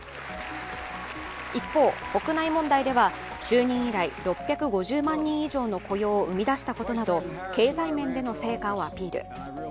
一方、国内問題では就任以来６５０万人以上の雇用を生み出したことなど、経済面での成果をアピール。